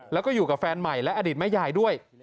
แล้วก็อยู่กับแฟนใหม่และอดีตแม่ยายด้วย